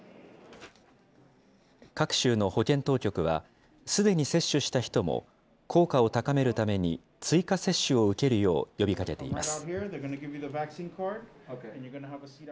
各州の保健当局は、すでに接種した人も、効果を高めるために追加接種を受けるよう呼びかけています。